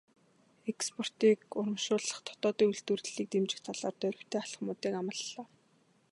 Экспортыг урамшуулах, дотоодын үйлдвэрлэлийг дэмжих талаар дорвитой алхмуудыг амлалаа.